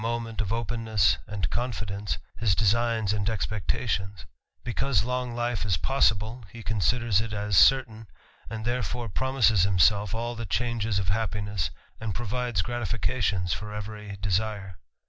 moment of ^pennesj^andjconfidence, designs and expectations ; because _ long li fe is possibi h& considers it as certain, and therefore promises all the changes of happiness, and provides gratificati for every desire.